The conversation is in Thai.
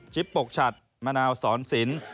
จิปปกชัดมะนาวสอนศิลป์